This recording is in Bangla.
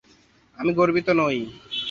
আমি গর্বিত নই।